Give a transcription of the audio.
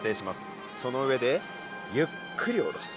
その上でゆっくり下ろす。